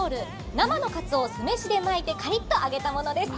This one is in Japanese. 生のカツオを酢飯で巻いてカリッと揚げたものです。